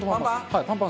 パンパン？